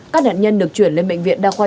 các nạn nhân được chuyển lên bệnh viện đa khoa